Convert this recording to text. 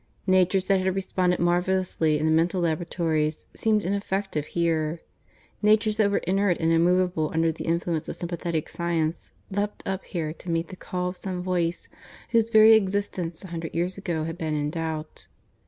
Natures that had responded marvellously in the mental laboratories seemed ineffective here; natures that were inert and immovable under the influence of sympathetic science leapt up here to meet the call of some Voice whose very existence a hundred years ago had been in doubt.